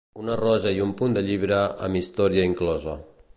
Una rosa i un punt de llibre amb història inclosa.